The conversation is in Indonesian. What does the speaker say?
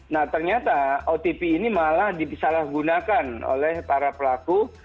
nah ternyata otp ini malah disalahgunakan oleh para pelaku